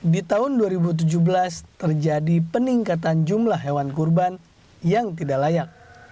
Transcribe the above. di tahun dua ribu tujuh belas terjadi peningkatan jumlah hewan kurban yang tidak layak